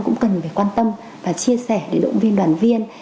cũng cần phải quan tâm và chia sẻ để động viên đoàn viên